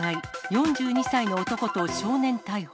４２歳の男と少年逮捕。